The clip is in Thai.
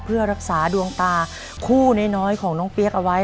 เพื่อรักษาดวงตาคู่น้อยของน้องเปี๊ยกเอาไว้